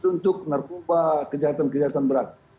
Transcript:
untuk narkoba kejahatan kejahatan berat